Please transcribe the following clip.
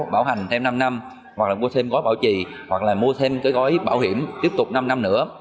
bảo hành thêm năm năm mua thêm gói bảo trì mua thêm gói bảo hiểm tiếp tục năm năm nữa